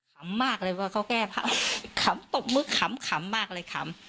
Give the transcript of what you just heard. ขำมากเลยว่าเค้าแก้ขำตบมึกขำขำมากเลยขำ